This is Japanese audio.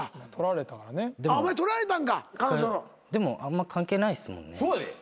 でもあんま関係ないですもんね。